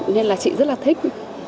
nên là chị rất là thích